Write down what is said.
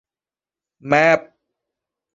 แมป